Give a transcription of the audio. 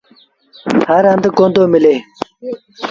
هر هنڌ ڪوندو ملي۔